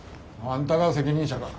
あんたが責任者か。